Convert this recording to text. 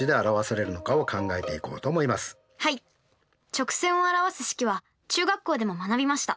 直線を表す式は中学校でも学びました。